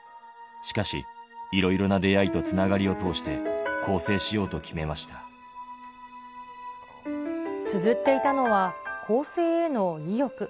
しかし、いろいろな出会いとつながりを通して、つづっていたのは、更生への意欲。